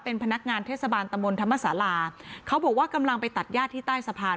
เป็นพนักงานเทศบาลตะมนต์ธรรมศาลาเขาบอกว่ากำลังไปตัดญาติที่ใต้สะพาน